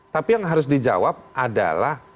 tapi yang harus di jawab adalah